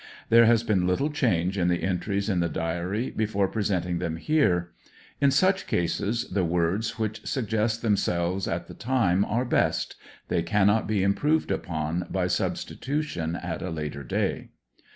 There has been little change in the entries in the diary, before presenting them here. In such cases the words which suggest themselves at the time are best — they cannot be im proved upon by substitution at a later day.